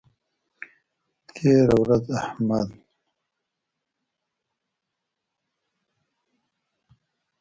تېره ورځ احمد له له سارا سره ډوبه مامله وکړه.